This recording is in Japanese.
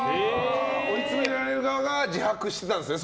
追い詰められる側が自白してたんですね。